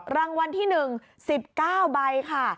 รางวัลที่๑๑๙ใบค่ะ